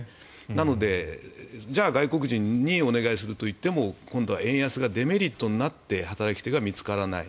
なので、じゃあ外国人にお願いするといっても今度は円安がデメリットになって働き手が見つからない。